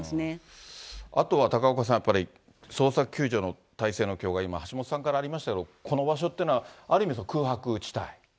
あとは高岡さん、やっぱり、捜索救助の体制の補強が、今、橋下さんからもありましたけれども、この場所というのはある意味、空白地帯。